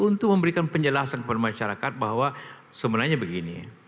untuk memberikan penjelasan kepada masyarakat bahwa sebenarnya begini